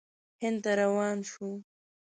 هند ته روان شو.